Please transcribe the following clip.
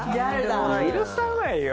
もう許さないよ